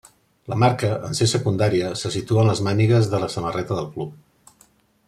La marca, en ser secundària, se situa en les mànigues de la samarreta del club.